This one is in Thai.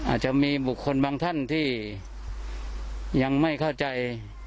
อาจจะมีบุคคลบางท่านที่ยังไม่เข้าใจ